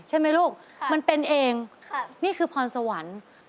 ใช่ไหมลูกมันเป็นเองนี่คือพรสวรรค์